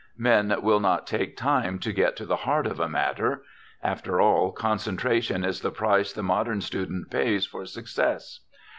Men will not take time to get to the heart of a matter. After all, concentration is the price the modern student pays for success.